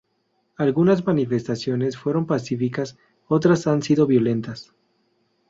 Algunas manifestaciones fueron pacíficas, otras han sido violentas.